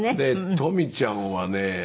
「とみちゃんはね